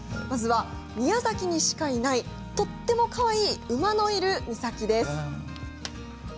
宮崎にしかいないとってもかわいい馬のいる岬です。